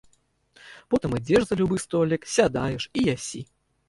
Потым ідзеш за любы столік, сядаеш і ясі.